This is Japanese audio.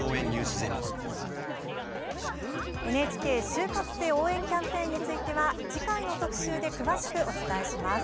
ＮＨＫ就活生応援キャンペーンについては次回の特集で詳しくお伝えします。